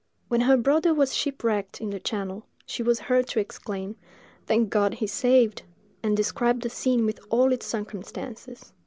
When her brother was shipwrecked in the channel, she was heard to exclaim, "Thank God, he is saved!" and described the scene with all its circumstances.